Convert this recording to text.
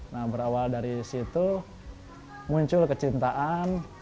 nah berawal dari situ muncul kecintaan